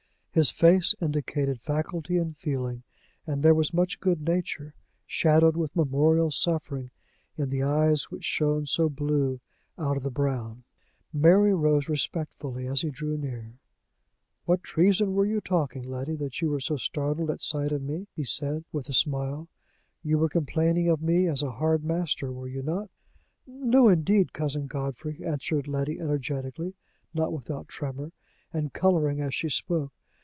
His face indicated faculty and feeling, and there was much good nature, shadowed with memorial suffering, in the eyes which shone so blue out of the brown. Mary rose respectfully as he drew near. "What treason were you talking, Letty, that you were so startled at sight of me?" he said, with a smile. "You were complaining of me as a hard master, were you not?" "No, indeed, Cousin Godfrey!" answered Letty energetically, not without tremor, and coloring as she spoke.